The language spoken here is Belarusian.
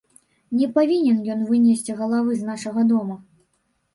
Не павінен ён вынесці галавы з нашага дома!